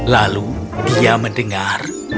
lalu dia mendengar